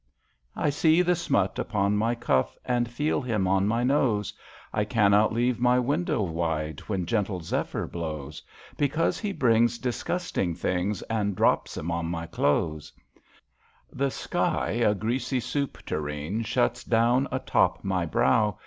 I see the smut upon my cuflf And feel him on my nose ; I cannot leave my window wide When gentle zephyr blows, Bec^ause he brings disgusting things And drops 'em on my clo'es.^' The sky, a greasy soup toureen, Shuts down atop my brow.